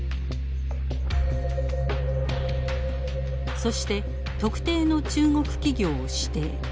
そして特定の中国企業を指定。